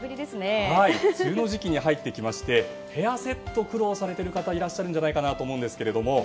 梅雨の時期に入ってきましてヘアセット苦労されている方いらっしゃると思いますが。